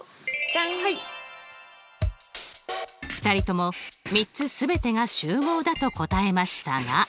２人とも３つ全てが集合だと答えましたが。